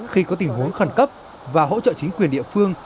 khi có tình huống khẩn cấp và hỗ trợ chính quyền địa phương